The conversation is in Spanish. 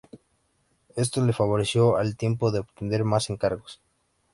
Esto le favoreció al tiempo de obtener más encargos.